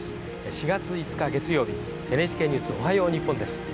４月５日月曜日、ＮＨＫニュースおはよう日本です。